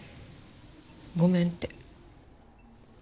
「ごめん」って。